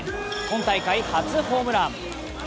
今大会初ホームラン。